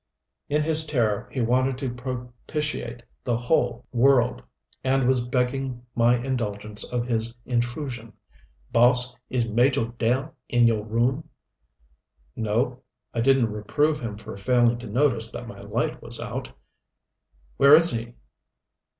In his terror he wanted to propitiate the whole world, and was begging my indulgence of his intrusion. "Boss, is Majo' Del in yo' room?" "No." I didn't reprove him for failing to notice that my light was out. "Where is he?"